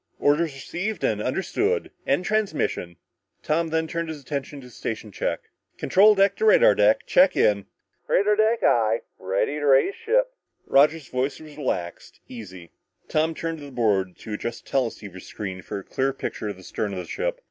Orders received and understood. End transmission!" Tom then turned his attention to the station check. "Control deck to radar deck. Check in." "Radar deck, aye! Ready to raise ship." Roger's voice was relaxed, easy. Tom turned to the board to adjust the teleceiver screen for a clear picture of the stern of the ship.